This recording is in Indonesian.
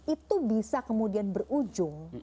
itu bisa kemudian berujung